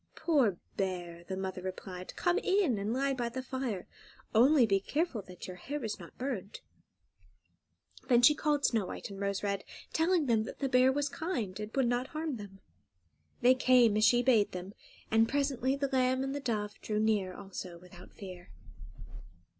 "Poor bear!" the mother replied; "come in and lie by the fire; only be careful that your hair is not burnt." Then she called Snow White and Rose Red, telling them that the bear was kind, and would not harm them. They came, as she bade them, and presently the lamb and the dove drew near also without fear.